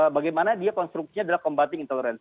bagaimana dia konstruksinya adalah combating intolerance